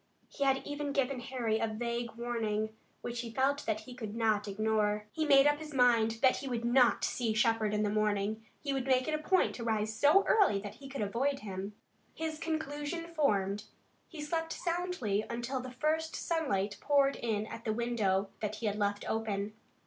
He had even given Harry a vague warning, which he felt that he could not ignore. He made up his mind that he would not see Shepard in the morning. He would make it a point to rise so early that he could avoid him. His conclusion formed, he slept soundly until the first sunlight poured in at the window that he had left open.